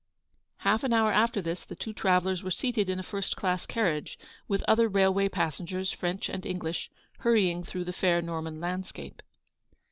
Half an hour after this the two travellers were seated in a first class carriage, with other railway passengers, French and English, hurrying through the fair Norman landscape.